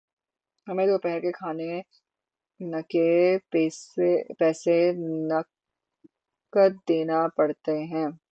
ہمیں دوپہر کے کھانےنکے پیسے نقد دینا پڑتے ہیں